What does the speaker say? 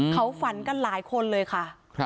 เขาฝันกันหลายคนเลยค่ะ